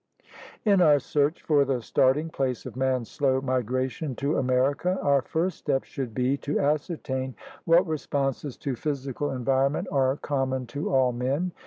In our search for the starting place of man's slow migration to America our first step should be to ascertain what responses to physical environ ment are common to all men.